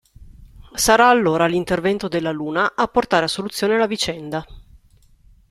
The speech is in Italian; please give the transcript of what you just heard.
Sarà allora l'intervento della Luna a portare a soluzione la vicenda.